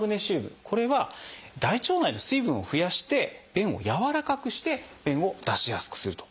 これは大腸内の水分を増やして便をやわらかくして便を出しやすくすると。